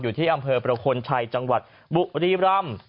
อยู่ที่อำเภอประคลชัยจังหวัดบุรีรำ